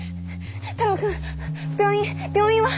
太郎君病院病院は？